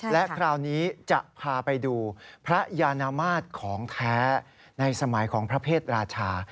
และคราวนี้จะพาไปดูพระยานมาตรของแท้ในสมัยของพระเพศราชา